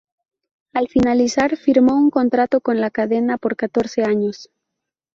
Al finalizar, firmó un contrato con la cadena por catorce años.